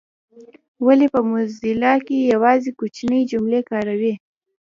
ولي په موزیلا کي یوازي کوچنۍ جملې کاروو؟